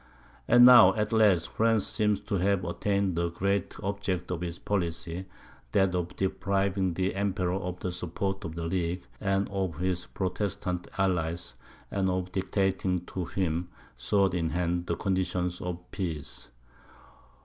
And now, at last, France seemed to have attained the great object of its policy, that of depriving the Emperor of the support of the League, and of his Protestant allies, and of dictating to him, sword in hand, the conditions of peace.